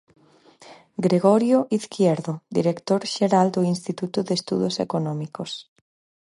Gregorio Izquierdo, director xeral do Instituto de Estudos Económicos.